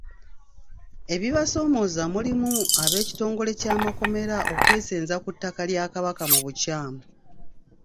Ebibasoomooza mulimu ab'ekitongole ky'amakomera okwesenza ku tttaka lya Kabaka mu bukyamu.